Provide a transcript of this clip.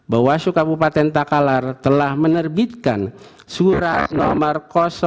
bahwa sukabupaten takalar telah menerbitkan surat nomor empat puluh